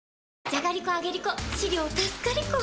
じゃがりこ、あげりこ！